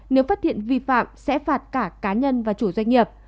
nếu phát hiện vi phạm sẽ phạt cả cá nhân và chủ doanh nghiệp